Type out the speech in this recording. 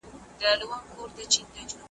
دا انجام وي د خپل قام د غلیمانو `